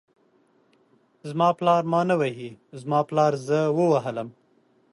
زما پالر ما نه وهي، زما پالر زه ووهلم.